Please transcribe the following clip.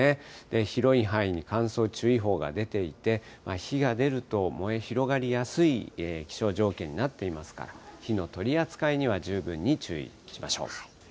広い範囲に乾燥注意報が出ていて、火が出ると燃え広がりやすい気象条件になっていますから、火の取り扱いには十分に注意しましょう。